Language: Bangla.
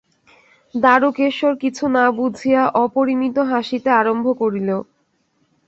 দারুকেশ্বর কিছু না বুঝিয়া, অপরিমিত হাসিতে আরম্ভ করিল।